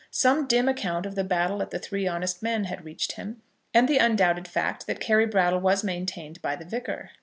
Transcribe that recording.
Some dim account of the battle at the Three Honest Men had reached him, and the undoubted fact that Carry Brattle was maintained by the Vicar.